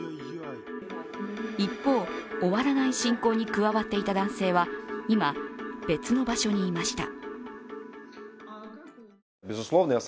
一方、終わらない侵攻に加わっていた男性は今、別の場所にいました。